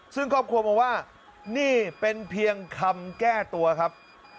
ซึ่งครอบครัวมองว่านี่เป็นเพียงคำแก้ตัวครับ